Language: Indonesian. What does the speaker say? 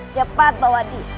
cepat bawa dia